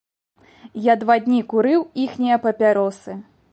Я два дні курыў іхнія папяросы.